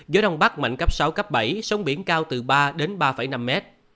gió đông bắc mạnh cấp sáu bảy sông biển cao từ ba ba năm m